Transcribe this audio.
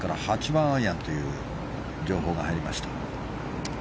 ８番アイアンという情報も青木さんから入りました。